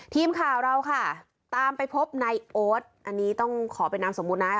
ทีมข่าวเราค่ะตามไปพบในโอ๊ตอันนี้ต้องขอเป็นนามสมมุตินะ